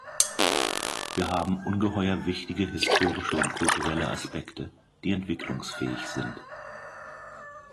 Wir haben ungeheur wichtige historische und kulturelle Aspekte, die entwicklungsfähig sind.